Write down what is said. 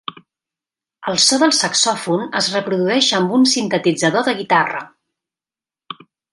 El so del saxòfon es reprodueix amb un sintetitzador de guitarra.